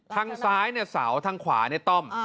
ทางซ้ายเนี่ยเสาทางขวาเนี่ยต้อม